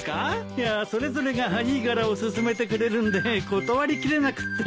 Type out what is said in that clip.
いやそれぞれがいい柄を薦めてくれるんで断り切れなくってね。